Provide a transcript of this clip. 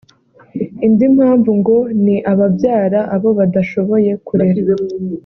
Indi mpamvu ngo ni ababyara abo badashoboye kurera